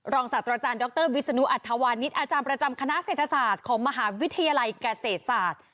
ศาสตราจารย์ดรวิศนุอัธวานิสอาจารย์ประจำคณะเศรษฐศาสตร์ของมหาวิทยาลัยเกษตรศาสตร์